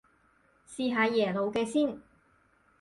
試下耶魯嘅先